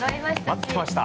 ◆待ってました！